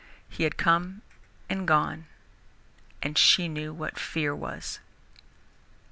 He had come and gone, and she knew what fear was!